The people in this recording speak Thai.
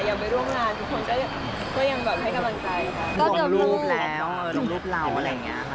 อยากไปร่วมงานทุกคนก็ยังแบบให้กำลังใจค่ะ